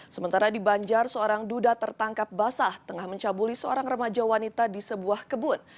sementara di banjar seorang duda tertangkap basah tengah mencabuli seorang remaja wanita di sebuah kebun